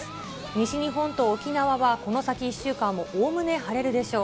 西日本と沖縄は、この先１週間、おおむね晴れるでしょう。